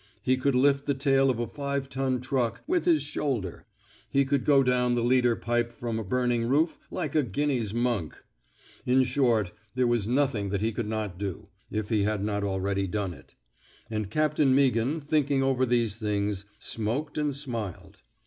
He could lift the tail of a five ton truck with his shoulder.'* He could go down the leader pipe from a burning roof like a Guinny's monk. In short, there was nothing that he could not do — if he had not already done it; and Captain Meaghan, thinking over these things, smoked and smiled.